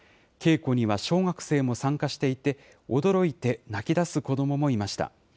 稽古には小学生も参加していて、驚いて泣き出す子どももいました。